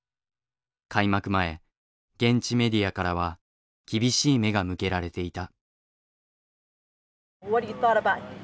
開幕前現地メディアからは厳しい目が向けられていた。